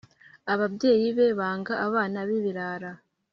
ababyeyi be banga abana bibirara